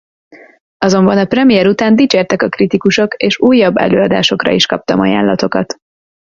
Azonban a premier után dicsértek a kritikusok és újabb előadásokra is kaptam ajánlatokat.